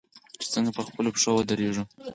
چې څنګه په خپلو پښو ودریږو.